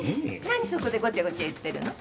何そこでごちゃごちゃ言ってるの？